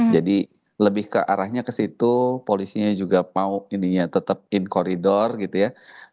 jadi lebih ke arahnya ke situ polisinya juga mau ini ya tetap in koridor gitu ya